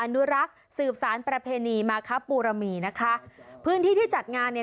อนุรักษ์สืบสารประเพณีมาครับปูรมีนะคะพื้นที่ที่จัดงานเนี่ย